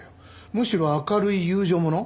むしろ明るい友情もの。